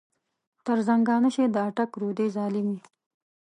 تر زنګانه شې د اټک رودې ظالمې.